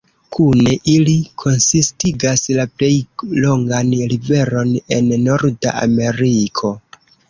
Kune ili konsistigas la plej longan riveron en Norda Ameriko.